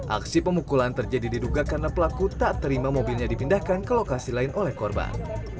aksi pemukulan terjadi diduga karena pelaku tak terima mobilnya dipindahkan ke lokasi lain oleh korban